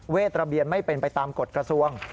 ระเบียนไม่เป็นไปตามกฎกระทรวง